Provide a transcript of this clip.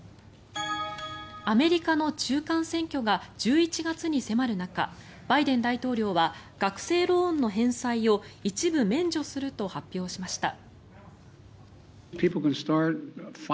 アメリカの中間選挙が１１月に迫る中バイデン大統領は学生ローンの返済を一部免除すると発表しました。